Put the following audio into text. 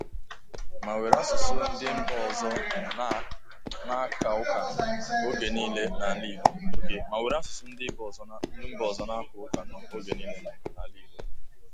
ma were asụsụ ndị mba ọzọ na-aka ụka oge niile n'ala Igbo